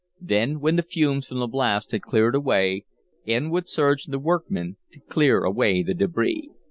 Then, when the fumes from the blast had cleared away, in would surge the workmen to clear away the debris.